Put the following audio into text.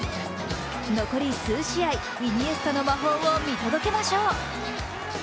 残り数試合、イニエスタの魔法を見届けましょう。